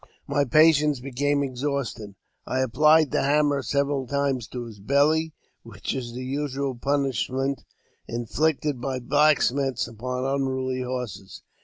My patience becoming exhausted, I applied the hammer several times to his belly, which is the usual punishment in flicted by blacksmiths upon unruly horses.